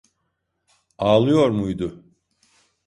Ağlıyor muydu?